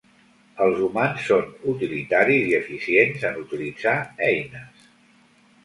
Els humans són utilitaris i eficients en utilitzar eines.